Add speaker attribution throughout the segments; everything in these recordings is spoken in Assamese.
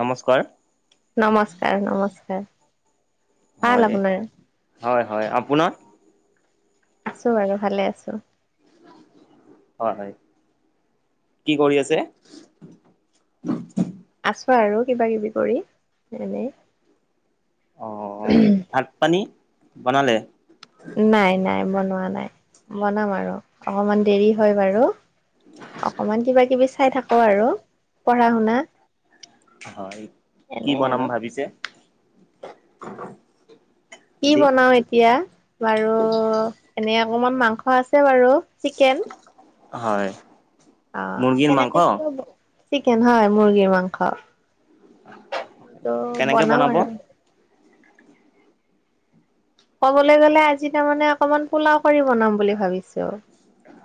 Speaker 1: নমস্কাৰ।
Speaker 2: নমস্কাৰ, নমস্কাৰ। ভাল
Speaker 1: হয়,
Speaker 2: আপোনাৰ
Speaker 1: হয় হয়, আপোনাৰ?
Speaker 2: আছোঁ বাৰু ভালে আছোঁ।
Speaker 1: হয় হয়, কি কৰি আছে?
Speaker 2: আছো আৰু কিবা কিবি কৰি,
Speaker 1: অ
Speaker 2: এনেই।
Speaker 1: ভাত পানী, বনালে?
Speaker 2: নাই নাই বনোৱা নাই, বনাম আৰু, অকমান দেৰি হয় বাৰু। অকমান কিবা কিবি চাই থাকো আৰু, পঢ়াশুনা।
Speaker 1: হয়, কি বনাম
Speaker 2: আৰু
Speaker 1: ভাবিছে?
Speaker 2: কি
Speaker 1: আজি
Speaker 2: বনাও এতিয়া। বাৰু, এনে অকমান মাংস আছে বাৰু, চিকেন।
Speaker 1: হয়,
Speaker 2: অ',
Speaker 1: মুৰ্গীৰ মাংস
Speaker 2: তেনেকে [unintelligible] চিকেন হয় মুৰ্গীৰ মাংস। ত'
Speaker 1: কেনেকে
Speaker 2: বনাম
Speaker 1: বনাব
Speaker 2: আৰু। ক'বলৈ গ'লে আজি তাৰমানে অকমান পোলাও কৰি বনাম বুলি ভাবিছোঁ।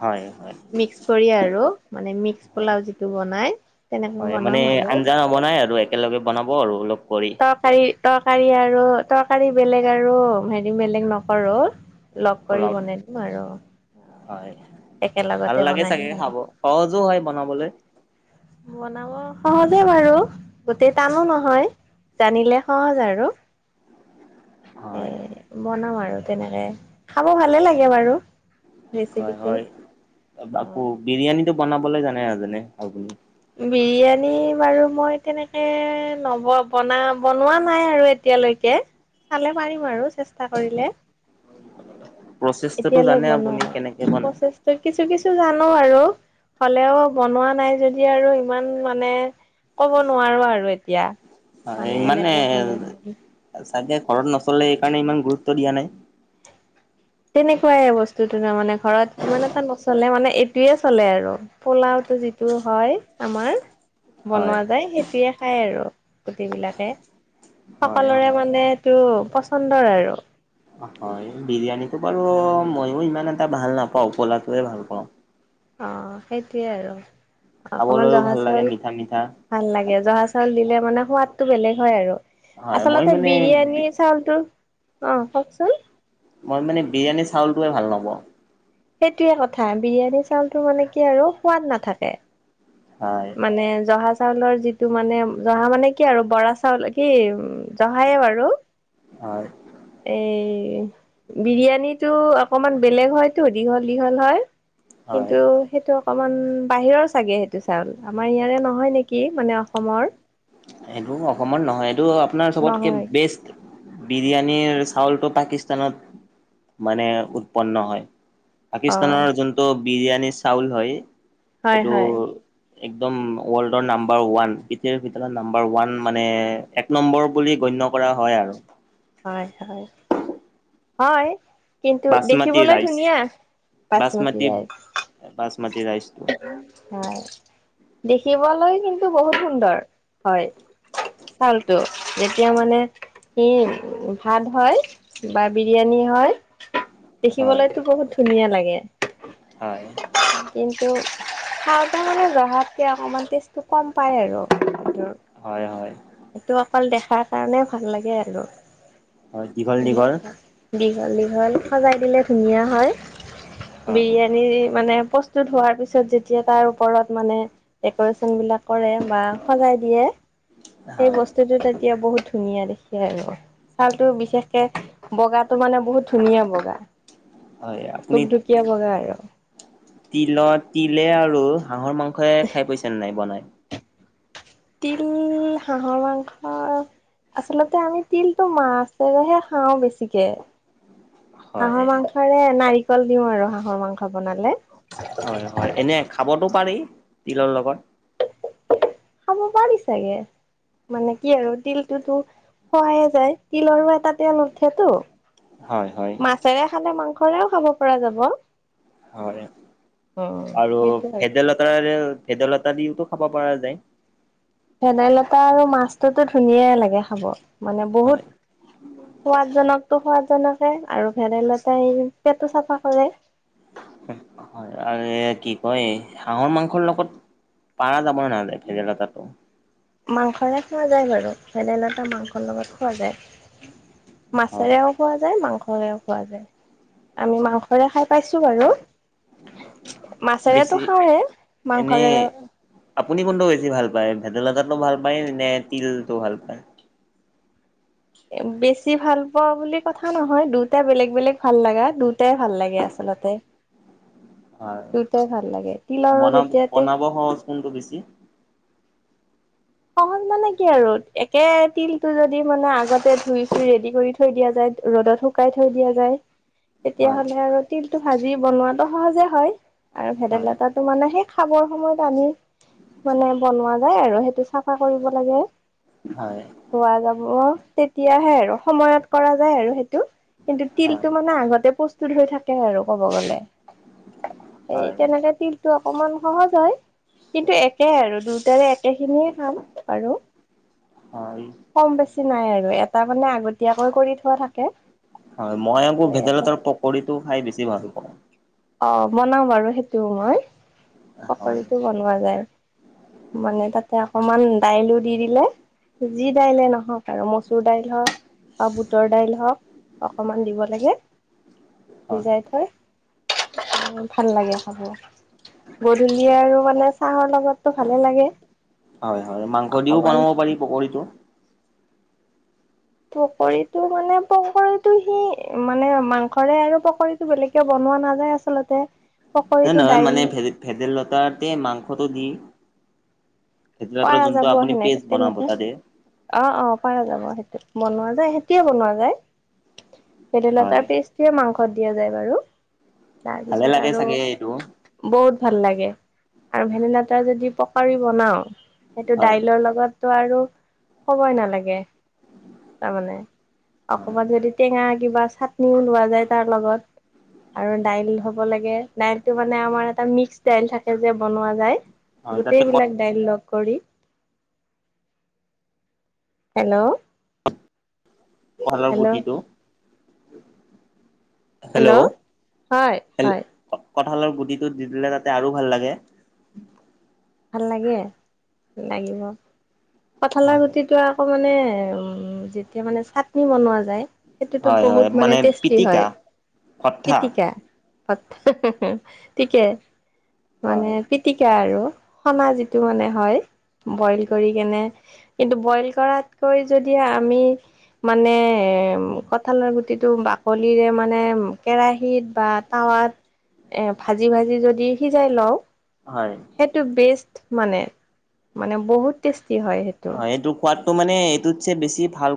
Speaker 1: হয় হয়,
Speaker 2: মিক্স কৰি আৰু, মানে মিক্স
Speaker 1: হয়
Speaker 2: পোলাও যিটো বনাই, তেনেকৈ বনাম আৰু।
Speaker 1: বনাই আৰু, একেলগে বনাব আৰু অলপ কৰি।
Speaker 2: তৰকাৰী-তৰকাৰী আৰু তৰকাৰী বেলেগ আৰু, হেৰি বেলেগ নকৰো। লগ কৰি
Speaker 1: পোলাও
Speaker 2: বনাই দিম আৰু।
Speaker 1: হয়, ভাল
Speaker 2: একেলগতে
Speaker 1: লাগে
Speaker 2: বনাই
Speaker 1: চাগে
Speaker 2: দিম
Speaker 1: খাব,
Speaker 2: আৰু
Speaker 1: সহজো হয় বনাবলে।
Speaker 2: বনা অ', সহজে বাৰু, গোটেই টানো নহয়, জানিলে সহজ আৰু।
Speaker 1: হয়
Speaker 2: এ বনাম আৰু তেনেকে, খাব ভালে লাগে বাৰু।
Speaker 1: হয়
Speaker 2: ৰেচিপিটো
Speaker 1: হয়,
Speaker 2: অ
Speaker 1: আকৌ বিৰিয়ানীটো বনাবলে জানে নাজানে আপুনি?
Speaker 2: বিৰিয়ানী বাৰু মই তেনেকে, নব বনা বনোৱা নাই আৰু এ তিয়ালৈকে, চালে পাৰিম আৰু চেষ্টা কৰিলে।
Speaker 1: প্ৰচেছটোতো
Speaker 2: এতিয়ালে
Speaker 1: জানে
Speaker 2: বনোৱা
Speaker 1: আপুনি
Speaker 2: নাই,
Speaker 1: কেনেকে বনাই
Speaker 2: প্ৰচেচ ত' কিছু কিছু জানো আৰু, হ'লেও বনোৱা নাই যদি আৰু ইমান মানে ক'ব নোৱাৰো আৰু এতিয়া,
Speaker 1: হয়
Speaker 2: মানে
Speaker 1: ইমানে
Speaker 2: এনেকে বনে খাবি।
Speaker 1: চাগে ঘৰত নচলে এইকাৰণে ইমান গুৰুত্ব দিয়া নাই।
Speaker 2: তেনেকুৱাইে বস্তুটো তাৰ মানে ঘৰত ইমান এটা নচলে মানে এইটোৱে চলে আৰু। পোলাওতো যিটো হয়, আমাৰ
Speaker 1: হয়
Speaker 2: বনোৱা যায় সেইটোৱে খায় আৰু, গোটেই বিলাকে,
Speaker 1: হয়।
Speaker 2: সকলোৰে মানে টো পচন্দৰ আৰু।
Speaker 1: হয়, বিৰিয়ানীটো বাৰু মইয়ো ইমান এটা ভাল নাপাওঁ পোলাওটোৱে ভাল পাওঁ।
Speaker 2: অ', সেইটোৱে আৰু, অকমান
Speaker 1: খাবলৈও
Speaker 2: জহা
Speaker 1: ভাল লাগে
Speaker 2: চাউল
Speaker 1: মিঠা মিঠা
Speaker 2: ভাল লাগে জহা চাউল দিলে মানে সোৱাদটো বেলেগ হয় আৰু,
Speaker 1: হয় মই
Speaker 2: আচলতে
Speaker 1: মানে
Speaker 2: বিৰিয়ানী চউলটো, অ, কওকচোন।
Speaker 1: মই মানে বিৰিয়ানীৰ চাউলটোৱে ভাল নাপাওঁ।
Speaker 2: সেইটোয়ে কথা বিৰিয়ানী চাউলটো মানে কি আৰু, সোৱাদ নাথাকে।
Speaker 1: হয়,
Speaker 2: মানে জহা চাউলৰ যিটো মানে জহা মানে কি আৰু বৰা চাউল কি উম জহায়ে বাৰু,
Speaker 1: হয়
Speaker 2: এ বিৰিয়ানীটো অকমান বেলেগ হয়তো দীঘল দীঘল হয়।
Speaker 1: হয়।
Speaker 2: কিন্তু, সেইটো অকমান বাহিৰৰ চাগে সেইটো। চাউল, আমাৰ ইয়াৰে নহয় নেকি মানে অসমৰ।
Speaker 1: এইটো অসমৰ নহয় এইটো আপোনাৰ চবতকে
Speaker 2: নহয়
Speaker 1: বেষ্ট বিৰিয়ানীৰ চাউলটো পাকিস্তানত মানে, উৎপন্ন হয়।
Speaker 2: অ
Speaker 1: পাকিস্তানৰ যোনটো বিৰিয়ানীৰ চাউল হয়,
Speaker 2: হয়
Speaker 1: সেইটো
Speaker 2: হয়
Speaker 1: একদম ৱৰ্ল্ডৰ নাম্বাৰ ওৱান [unintelligible] নাম্বাৰ ওৱান মানে এক নম্বৰ বুলি গণ্য কৰা হয় আৰু।
Speaker 2: হয় হয় হয়। কিন্তু
Speaker 1: বাচমতি
Speaker 2: দেখিবলৈ
Speaker 1: ৰাইচ
Speaker 2: ধুনীয়া পাচমতি
Speaker 1: বাচমতি
Speaker 2: ৰাইজ।
Speaker 1: বাচমতি ৰাইচ।
Speaker 2: হয় দেখিবলৈ কিন্তু বহুত সুন্দৰ হয়। ভাল টো এতিয়া মানে স ভাত হয় বা বিৰিয়ানী হয়।
Speaker 1: হয়
Speaker 2: দেখিবলৈতো বহুত ধুনীয়া লাগে।
Speaker 1: হয়।
Speaker 2: কিন্তু খাওঁতে মানে জহাতকে অকমান টেষ্টটো কম পাই আৰু।
Speaker 1: হয় হয়।
Speaker 2: সেইটো অকল দেখাৰ কাৰণে ভাল লাগে আৰু।
Speaker 1: হয় দীঘল দীঘল
Speaker 2: দীঘল- দীঘল সজাই দিলে ধুনীয়া হয়
Speaker 1: হয়
Speaker 2: বিৰিয়ানী মানে। প্ৰস্তুত হোৱাৰ পিছত যেতিয়া তাৰ ওপৰত মানে। ডেক'ৰেচন বিলাক কৰে বা সজাই দিয়ে সেই
Speaker 1: হয়
Speaker 2: বস্তুটো তেতিয়া বহুত। ধুনীয়া দেখি আৰু চাউলতো বিশেষকে বগাটো মানে বহুত ধুনীয়া বগা।
Speaker 1: হয় আপুনি?
Speaker 2: ধুকধুকীয়া বগা আৰু
Speaker 1: তিলত তিলে আৰু হাঁহৰ মাংসই খাই পাইছেনে নাই বনাই।
Speaker 2: তিল হাঁহৰ মাংস। আচলতে আমি তিলতটো মাছেৰেহে খাওঁ বেছিকে।
Speaker 1: হয়।
Speaker 2: ৰে নাৰিকল দিওঁ আৰু হাঁহৰ মাংস বনালে।
Speaker 1: হয় হয় এনে খাবতো পাৰি তিলৰ লগত।
Speaker 2: খাব পাৰি চাগে। মানে কি আৰু তিলটোতো খোৱাই যায় তিলৰো এটা তেল উঠেটো।
Speaker 1: হয় হয়।
Speaker 2: মাছেৰে খালে মাংসৰেও খাব পৰা যাব।
Speaker 1: হয়
Speaker 2: উম,
Speaker 1: আৰু
Speaker 2: সেইটো আৰু
Speaker 1: ভেদাইলতা ভেদাইলতা দিওতো খাব পৰা যায়।
Speaker 2: ভেদাইলতা আৰু মাছটোতো ধুনীয়া লাগে খাব মানে
Speaker 1: হয়
Speaker 2: বহুত। সোৱাদজনকো সোৱাদজনকে আৰু ভেদাইলতাই পেটো চাফা কৰে।
Speaker 1: হয় আৰু কি কয় হাঁহৰ মাংসৰ লগত। পাৰা যাব নহলে ভেদেলতাতো।
Speaker 2: মাংসৰে খোৱা যায় বাৰু ভেদাইলতা মাংসৰ লগত খোৱা যায়
Speaker 1: হয়
Speaker 2: মাছেৰেও। খোৱা যায় মাংসৰে খোৱা যায় আমি মাংসৰে খাই পাইছো বাৰু। মাছেৰেটো
Speaker 1: বেছি
Speaker 2: খাওঁয়ে
Speaker 1: এনে
Speaker 2: মাংসৰেও।
Speaker 1: আপুনি কোনটো বেছি ভাল পায় ভেদাইলতাতো ভাল পায় নে তিলটো ভাল পায়।
Speaker 2: বেছি ভাল পোৱা বুলি কথা নহয় দুটা বেলেগ বেলেগ ভাল লগা দুটাই ভাল লাগে আচলতে।
Speaker 1: হয়
Speaker 2: দুটাই ভাল লাগে তিলৰো
Speaker 1: বনাব
Speaker 2: যেতিয়াতে
Speaker 1: বনাব সহজ কোনটো বেছি।
Speaker 2: সহজ মানে কি আৰু একে তিলটো যদি মানে আগতে ধুই চুই ৰেডি কৰি থৈ দিয়া যায় ৰ'দত শুকুৱাই। শুকাই থৈ দিয়া যায়।
Speaker 1: [inaudible]
Speaker 2: তেতিয়াহ'লে আৰু তিলটো ভাজি বনোৱাটো সহজে হয় আৰু
Speaker 1: হয়
Speaker 2: ভেদাইলতাটো। মানে সেই খাবৰ সময়ত আনি মানে বনোৱা যায় আৰু সেইটো। চফা কৰিব লাগে।
Speaker 1: হয়
Speaker 2: পোৱা যাব তেতিয়াহে আৰু সময়ত কৰা যায় আৰু সেইটো। কিন্তু
Speaker 1: হয়
Speaker 2: তিলটো মানে আগতে প্ৰস্তুত হৈ থাকে আৰু কব গ'লে। সেই
Speaker 1: হয়
Speaker 2: তেনেকে তিল। অকমান সহজ হয় কিন্তু একে আৰু দুয়টাৰে একে খিনিয়ে। আৰু।
Speaker 1: হয়
Speaker 2: কম বেছি নাই আৰু এটা মানে আগতীয়াকৈ কৰি থোৱা থাকে।
Speaker 1: হয়, মই আকৌ
Speaker 2: আৰু এটা
Speaker 1: ভেদাইলতাৰ পকৰীটো খাই বেছি ভাল পাওঁ।
Speaker 2: অ, বনাও বাৰু সেইটোও মই
Speaker 1: হয়
Speaker 2: পকৰীটো বনোৱা যায়। মানে তাতে অকমান দাইলো দি দিলে, যি দাইলে নহওক আৰু মচুৰ দাইল হওক বা বুটৰ দাইল হওক অকমান দিব লাগে
Speaker 1: হয়
Speaker 2: সিজাই থয়। উম, ভাল লাগে খাব। গধূলি আৰু মানে চাহৰ লগতো ভালে লাগে।
Speaker 1: হয়-হয় মাংস দিও
Speaker 2: অকমান
Speaker 1: বনাব পকৰীটো।
Speaker 2: পকৰীটো মানে পকৰীতো সি মানে মাংসৰে আৰু পকৰী বেলেগে বনোৱা নাযায় আচলতে।
Speaker 1: নহ
Speaker 2: পকৰীটো
Speaker 1: নহয়
Speaker 2: দাইল
Speaker 1: মানে ভেদাইলতাতে মাংসটো দি, ভেদাইলতা
Speaker 2: পাৰা
Speaker 1: যোনটো
Speaker 2: যাব সেনেকে
Speaker 1: পেষ্ট বনাব
Speaker 2: তেনেকে
Speaker 1: তাতে।
Speaker 2: অ, অ, পাৰা যাব সেইটো বনোৱা যায়, সেইটোয়েই বনোৱা যায়। ভেদলতাৰ
Speaker 1: হয়
Speaker 2: পেষ্ট সে মাংসত দিয়া যায় বাৰু
Speaker 1: ভালে
Speaker 2: তাৰপিছত
Speaker 1: লাগে চাগে এইটো
Speaker 2: আৰু। বহুত ভাল লাগে আৰু ভেদাইলতা এটা যদি পকৰী বনাও। সেইটো
Speaker 1: হয়
Speaker 2: দাইলৰ লগতটো আৰু কবই নালাগে তাৰমানে।
Speaker 1: হয়
Speaker 2: অকমান যদি টেঙা কিবা চাটনিও লোৱা যায় তাৰ লগত। আৰু দাইল হ'ব লাগে, দাইলটো মানে আমাৰ এটা মিক্স দাইল থাকে যে বনোৱা যায়।
Speaker 1: হয় তাতে
Speaker 2: গোটেইবিলাক দাইল লগ কৰি, হেল্ল',
Speaker 1: ফলৰ
Speaker 2: হেল্ল'
Speaker 1: গুটিটো। হেল্ল',
Speaker 2: হয় হয়
Speaker 1: কঁঠালৰ গুটিটো দি দিলে তাতে আৰু ভাল লাগে।
Speaker 2: ভাল লাগে, লাগিব কঠালৰ
Speaker 1: হয়
Speaker 2: গুটিটো আৰু আকৌ মানে যেতিয়া মানে চাটনি বনোৱা যায়। সেইটোতো
Speaker 1: হয়
Speaker 2: বহুত মানে টেষ্টি
Speaker 1: পিটিকা
Speaker 2: হয়,
Speaker 1: ভঠা
Speaker 2: পিটিকা। ঠিকে মানে
Speaker 1: হয়
Speaker 2: পিতিকা আৰু। সনা যিটো মানে হয়, বইল কৰি কেনে। কিন্তু বইল কৰাতকৈ যদি আমি, মানে কঁঠালৰ গুটিটো বাকলিৰে মানে কেৰাহিত বা এ ভাজি-ভাজি যদি সিজাই লওঁ।
Speaker 1: হয়।
Speaker 2: সেইটো বেষ্ট মানে মানে বহুত টেষ্টি হয় সেইটো।
Speaker 1: অ, এইটো সোৱাদটো মানে এইটোতছে বেছি ভাল।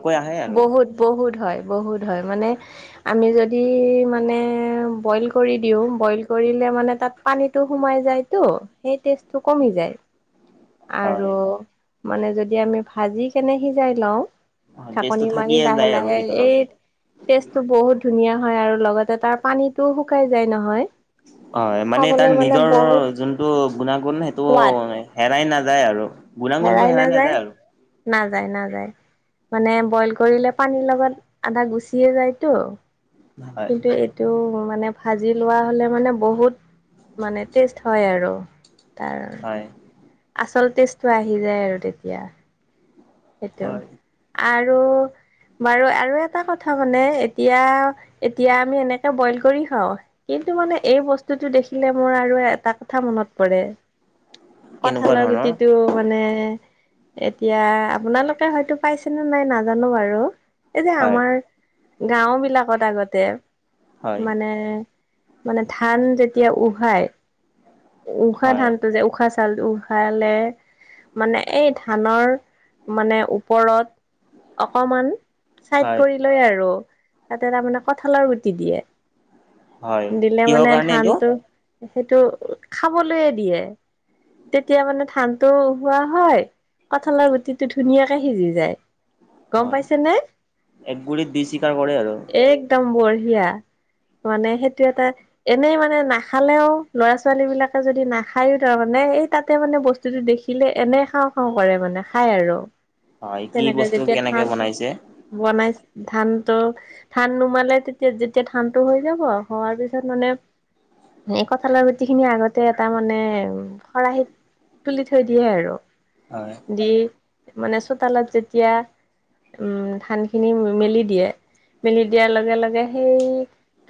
Speaker 2: বহুত-বহুত হয়, বহুত হয় মানে। আমি যদি মানে বইল কৰি দিওঁ বইল কৰিলে মানে তাত পানীতটো সোমাই যায়তো সেই টেষ্টটো কমি যায়। আৰু
Speaker 1: হয়
Speaker 2: মানে যদি আমি ভাজি কেনে সিজাই লওঁ।
Speaker 1: হয় টেষ্টটো
Speaker 2: ঢাকনি মাৰি
Speaker 1: থাকিয়ে যায় আৰু
Speaker 2: লাহে-লাহে,
Speaker 1: ভিতৰত
Speaker 2: এই টেষ্টটো বহুত ধুনীয়া হয় আৰু লগতে তাৰ পানীতটোও শুকাই যায় নহয়।
Speaker 1: হয়, মানে
Speaker 2: খাবলৈ
Speaker 1: তাৰ
Speaker 2: মানে
Speaker 1: নিজৰ
Speaker 2: বহুত
Speaker 1: যোনটো গুণাগুণ সেইটো
Speaker 2: সোৱাদ
Speaker 1: হেৰাই নাযায় আৰু গুণাগুণটো হেৰাই নাযায় আৰু।
Speaker 2: নাযায়-নাযায়। মানে বইল কৰিলে পানীৰ লগত আধা গুচিয়ে যায়তো,
Speaker 1: হয়
Speaker 2: কিন্তু টো মানে ভাজি লোৱা হ'লে মানে বহুত, মানে টেষ্ট হয় আৰু। তাৰ,
Speaker 1: হয়
Speaker 2: আচলতেজটো আহি যায় আৰু তেতিয়া। সেইটো,
Speaker 1: হয়
Speaker 2: আৰু বাৰু আৰু এটা কথা মানে এতিয়া এতিয়া আমি এনেকে বইল কৰি খাওঁ। কিন্তু মানে এই বস্তুটো দেখিলে মোৰ আৰু এটা কথা মনত পৰে,
Speaker 1: কেনেকুৱা
Speaker 2: কঠালৰ
Speaker 1: ধৰণৰ
Speaker 2: গুটিটো মানে এতিয়া আপোনালোকে হয়তো পাইছে নে নাই নাজানো বাৰু এই যে
Speaker 1: হয়
Speaker 2: আমাৰ গাওঁ বিলাকত আগতে
Speaker 1: হয়
Speaker 2: মানে মানে ধান যেতিয়া উহাই উশাহ
Speaker 1: হয়
Speaker 2: ধানটো যে উশাহ চাউ লটো উহালে মানে এই ধানৰ মানে ওপৰত অকমান চাইড
Speaker 1: হয়
Speaker 2: কৰি লয় আৰু তাতে তাৰমানে কঠালৰ গুটি
Speaker 1: হয়
Speaker 2: দিয়ে। দিলে
Speaker 1: কিহৰ
Speaker 2: মানে
Speaker 1: কাৰণে এইটো
Speaker 2: ধানটো সেইটো খাবলৈয়ে দিয়ে। তেতিয়া মানে ধানটো হোৱা হয় কঁঠালৰ গুটিটো ধুনীয়াকে সিজি যায়। গম
Speaker 1: হয়
Speaker 2: পাইছে নে
Speaker 1: একগুলিত দুই চিকাৰ কৰে আৰু
Speaker 2: একদম বঢ়িয়া মানে সেইটো এটা এনেই মানে নাখালেও ল'ৰা- ছো ছোৱালীবিলাকে যদি নাখায়ো তাৰমানে এই তাতে মানে বস্তুটো দেখিলে এনেই খাওঁ খাও কৰে মানে খাই আৰু।
Speaker 1: হয় কি বস্তু কেনেকে বনাইছে?
Speaker 2: বনাইছ ধান টো ধান নুমালে তেতিয়া যেতিয়া ধানটো হৈ যাব হোৱাৰ পিছত মানে হেই কঁঠালৰ গুট গুটিখিনি আগতে এটা মানে খৰাহিত তুলি থৈ দিয়ে আৰু।
Speaker 1: হয়।
Speaker 2: দি মানে চোতালত যেতিয়া উম, ধান খিনি মেলি দিয়ে মেলি দিয়াৰ লগে -লগে সেই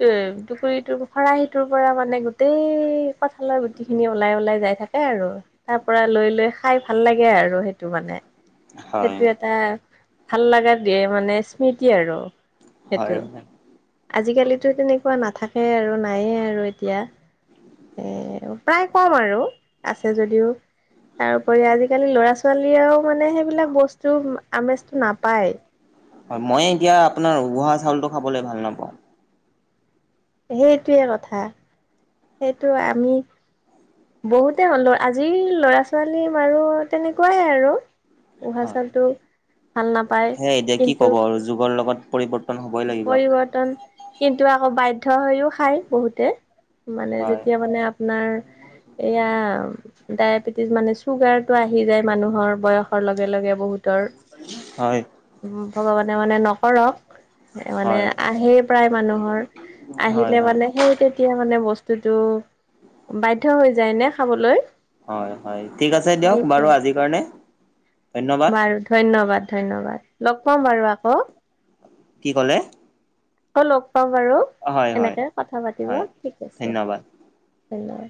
Speaker 2: তে টুকুৰিটোৰ খৰাহিটোৰ পৰা মানে গোটেই হে কঁঠালৰ গুটি খিনি ওলাই -ওলাই যাই থাকে আৰু। তাৰ পৰা লৈ -লৈ খাই ভাল লাগে আৰু সেইটো মানে।
Speaker 1: হয়
Speaker 2: সেইটো এটা ভাল লাগা দিয়ে মানে স্মৃতি আৰু। সেইটো
Speaker 1: হয়
Speaker 2: আজিকালিতো তেনেকুৱা নাথাকে আৰু নায়ে আৰু এতিয়া। এ প্ৰায় কম আৰু আছে যদিও। তাৰউপৰি আজিকালি ল'ৰা- ছোৱালীয়েও মানে সেইবিলাক বস্তু আমেজটো নাপায়।
Speaker 1: হয় মই এতিয়া আপোনাৰ উহা চাউলটো খাবলে ভাল নাপাওঁ।
Speaker 2: সেইটোৱে কথা সেইটো আমি বহুতে হ'লো আজিৰ ল'ৰা- ছোৱালী বাৰু তেনেকুৱাই আৰু। উহা চাউলটো ভাল নাপ
Speaker 1: হে এতিয়া কি ক'ব আৰু যুগৰ লগত পৰিৱৰ্ত
Speaker 2: পৰিৱৰ্তন কিন্তু, আকৌ বাধ্য হৈও খাই বহুতে। মানে
Speaker 1: হয়
Speaker 2: যেতিয়া মানে আপোনাৰ এয়া ডায়েবেটিছ মানে চুগাৰটো আহি যায় মানুহৰ বয়স ৰ লগে -লগে বহুতৰ
Speaker 1: হয়
Speaker 2: উম, ভগৱানে মানে নকৰক মানে
Speaker 1: হয়
Speaker 2: আহেই প্ৰায় মানুহৰ
Speaker 1: হয়
Speaker 2: আহিলে
Speaker 1: হয়
Speaker 2: মানে সেই তেত তেতিয়া মানে বস্তুটো বাধ্য হৈ যায় নে খাবলৈ?
Speaker 1: হয়-হয় ঠিক আছে দিয়ক বাৰু
Speaker 2: সেইটোৱে
Speaker 1: আজিৰ কাৰণে। ধন্যবাদ
Speaker 2: বাৰু ধন্যবাদ-ধন্যবাদ লগ পাম বাৰু আকৌ।
Speaker 1: কি ক'লে?
Speaker 2: আকৌ লগ পাম বাৰু
Speaker 1: হয় হয়
Speaker 2: এনেকে কথা পাতিব
Speaker 1: হয়
Speaker 2: ঠিক আছে।
Speaker 1: ধন্যবাদ
Speaker 2: ধন্যবাদ।